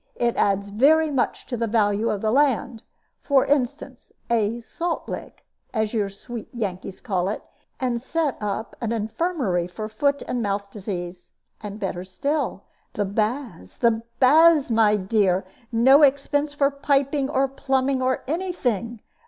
It adds very much to the value of the land. For instance, a 'salt lick,' as your sweet Yankees call it and set up an infirmary for foot and mouth disease. And better still, the baths, the baths, my dear. No expense for piping, or pumping, or any thing.